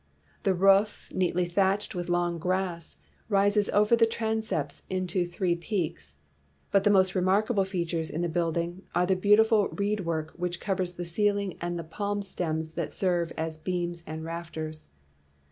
The roof, neatly thatched with long grass, rises over the transepts into three peaks. But the most remarkable features in the building are the beautiful reed work which covers the ceiling and the palm stems that serve as beams and rafters.